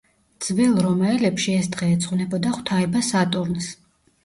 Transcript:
ძველ რომაელებში ეს დღე ეძღვნებოდა ღვთაება სატურნს.